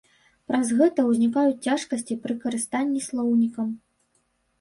Праз гэта ўзнікаюць цяжкасці пры карыстанні слоўнікам.